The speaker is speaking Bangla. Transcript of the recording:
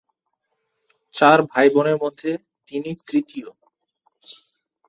চার ভাইবোনের মধ্যে তিনি তৃতীয়।